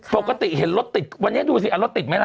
ปกติเห็นรถติดวันนี้ดูสิรถติดไหมล่ะ